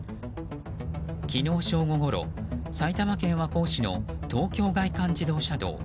昨日正午ごろ埼玉県和光市の東京外環自動車道。